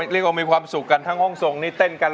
เรียกว่ามีความสุขกันทั้งห้องส่งที่เต้นกัน